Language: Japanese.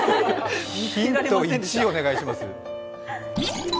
ヒント１、お願いします。